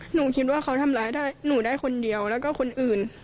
หนูคิดว่าเขาทำร้ายได้หนูได้คนเดียวแล้วก็คนอื่น